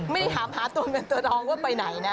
ไม่ได้ถามหาตัวเงินตัวทองว่าไปไหนนะ